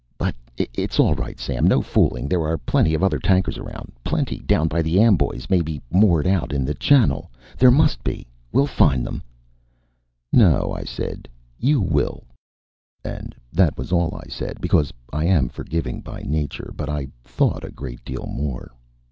"But it's all right, Sam. No fooling. There are plenty of other tankers around. Plenty. Down toward the Amboys, maybe moored out in the channel. There must be. We'll find them." "No," I said. "You will." And that was all I said, because I am forgiving by nature; but I thought a great deal more.